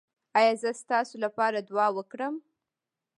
ایا زه ستاسو لپاره دعا وکړم؟